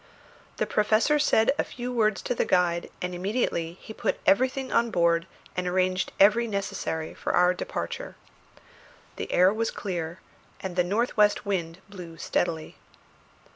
The Professor said a few words to the guide, and immediately he put everything on board and arranged every necessary for our departure. The air was clear and the north west wind blew steadily.